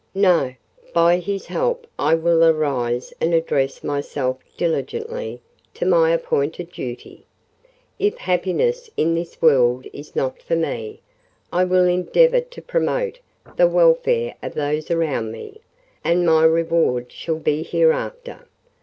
"No; by His help I will arise and address myself diligently to my appointed duty. If happiness in this world is not for me, I will endeavour to promote the welfare of those around me, and my reward shall be hereafter."